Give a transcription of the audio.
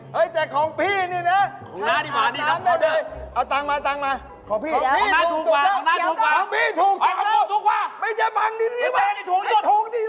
เฮ่ยแต่ของพี่นี่นะเอาตังมาของพี่ถูกสุดแล้วของพี่ถูกสุดแล้วไม่ใช่บางนิดนึงไม่ถูกสุด